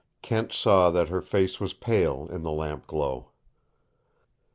Kent saw that her face was pale in the lamp glow.